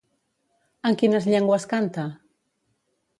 En quines llengües canta?